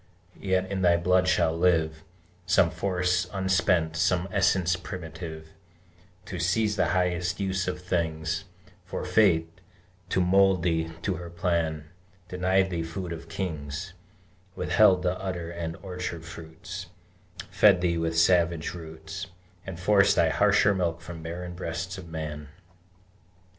Yet in thy blood shall live Some force unspent, some essence primitive, To seize the highest use of things; For Fate, to mould thee to her plan, Denied thee food of kings, Withheld the udder and the orchard fruits, Fed thee with savage roots, And forced thy harsher milk from barren breasts of man!